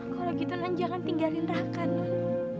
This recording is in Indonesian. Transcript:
kalau gitu non jangan tinggalin raka non